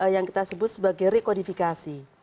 yang kita sebut sebagai rekodifikasi